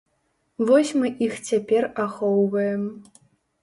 Вось мы іх цяпер ахоўваем.